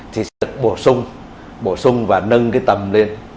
thì sẽ được bổ sung và nâng cái tầm lên